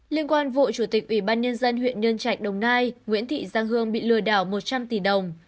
liên quan vụ chủ tịch ủy ban nhân dân huyện nhân trạch đồng nai nguyễn thị giang hương bị lừa đảo một trăm linh tỷ đồng